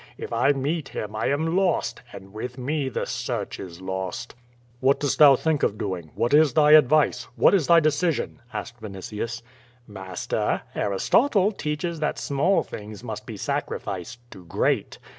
If I meet him, I am lost, and with me the search is lost.'* "What dost thou think of doing? What is thy advice? AVhat is thy decision?*^ asked Vinitius. "Master, Aristotle teaches that small things must be sacri ficed to great.